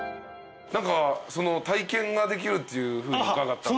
何か体験ができるっていうふうに伺ったんですけど。